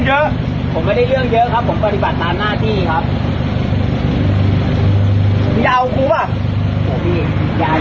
แรกไม่ได้ถามทำไมอ่ะ